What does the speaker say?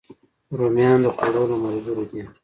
رومیان د خوړو له ملګرو دي